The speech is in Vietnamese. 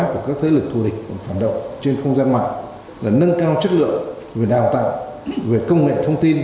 của các thế lực thù địch phản động trên không gian mạng là nâng cao chất lượng về đào tạo về công nghệ thông tin